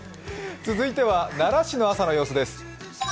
続いては奈良市の朝の様子です。